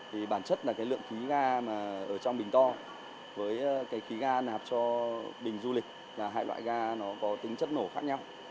vì bản chất là cái lượng khí ga mà ở trong bình to với cái khí ga nạp cho bình du lịch là hai loại ga nó có tính chất nổ khác nhau